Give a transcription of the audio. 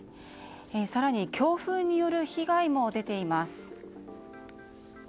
更に強風による被害も出ています。